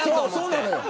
そうなのよ。